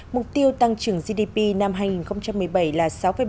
mục tiêu tăng trưởng gdp năm hai nghìn một mươi bảy là sáu bảy